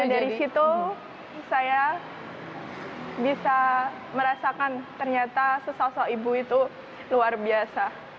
dan dari situ saya bisa merasakan ternyata sesosok ibu itu luar biasa